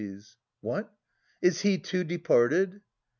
What? Is he too departed?